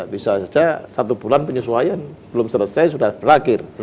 bisa saja satu bulan penyesuaian belum selesai sudah berakhir